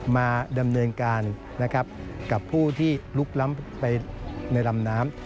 มาดำเนินการนะครับกับผู้ที่ลุกล้ำไปในลำน้ำ